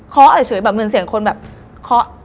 เคาะเฉยเหมือนเสียงคนเคาะ